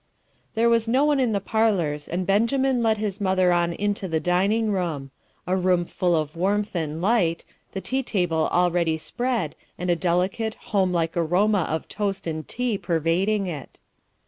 There was no one in the parlours, and Benjamin led his mother on into the dining room a room full of warmth and light the tea table already spread, and a delicate, home like aroma of toast and tea pervading it.